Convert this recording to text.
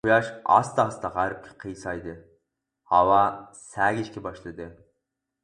قۇياش ئاستا-ئاستا غەربكە قىيسايدى. ، ھاۋا سەگىشكە باشلىدى.